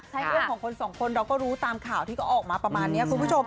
เรื่องของคนสองคนเราก็รู้ตามข่าวที่ก็ออกมาประมาณนี้คุณผู้ชม